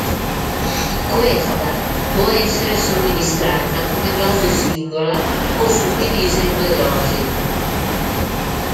Questa può essere somministrata come dose singola o suddivisa in due dosi.